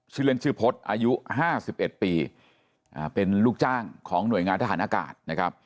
ชื่อเล่นชื่อพจน์อายุ๕๑ปีเป็นลูกจ้างของหน่วยงานทหารอากาศนะครับ